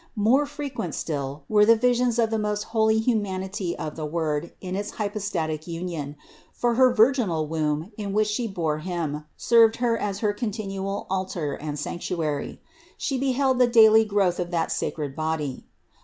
More fre quent still were the visions of the most holy humanity of the Word in its hypostatic union; for her virginal womb, in which She bore Him, served Her as her con tinual altar and sanctuary. She beheld the daily growth of that sacred body.